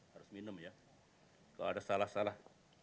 harus minum ya kalau ada salah salah